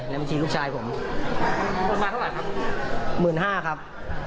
ในบัญชีลูกชายผมมาเท่าไรครับหมื่นห้าครับ